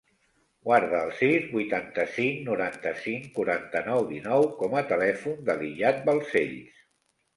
Guarda el sis, vuitanta-cinc, noranta-cinc, quaranta-nou, dinou com a telèfon de l'Iyad Balsells.